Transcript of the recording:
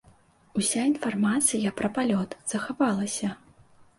Уся інфармацыя пра палёт захавалася.